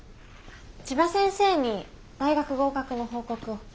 千葉先生に大学合格の報告を。